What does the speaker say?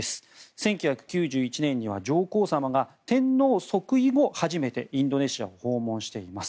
１９９１年には上皇さまが天皇即位後初めてインドネシアを訪問しています。